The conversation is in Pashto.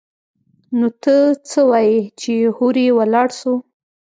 نو ته څه وايي چې هورې ولاړ سو؟